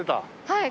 はい。